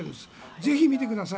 ぜひ、見てください。